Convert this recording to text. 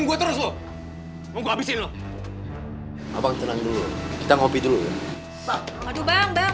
mau ngapain lo disini minggu terus mau habisin lo abang tenang dulu kita ngopi dulu aduh bang